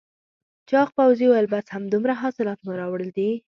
چاغ پوځي وویل بس همدومره حاصلات مو راوړل دي؟